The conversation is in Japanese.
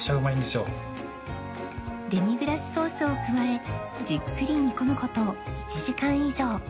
デミグラスソースを加えじっくり煮込む事１時間以上